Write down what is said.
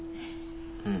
うん。